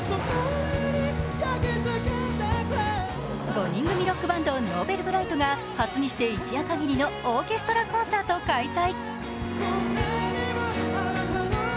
５人組ロックバンドＮｏｖｅｌｂｒｉｇｈｔが初にして一夜かぎりのオーケストラコンサートを開催。